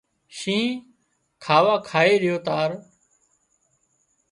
شينهن کاوا کائي ريو تار